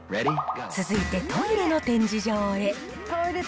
続いてトイレの展示場へ。